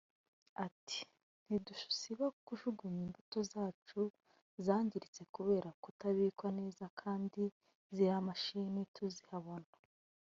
Ati“Ntidusiba kujugunya imbuto zacu zangiritse kubera kutabikwa neza kandi ziriya mashini tuzihabona